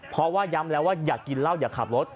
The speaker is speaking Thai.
เพราะว่าย้ำแล้วว่าอย่ากินเหล้าอย่าขับรถ